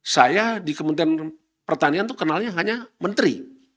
saya di kementerian pertanian itu kenalnya hanya menteri